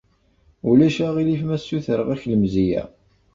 Ulac aɣilif ma ssutreɣ-ak lemzeyya?